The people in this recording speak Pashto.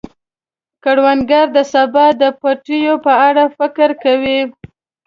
کروندګر د سبا د پټیو په اړه فکر کوي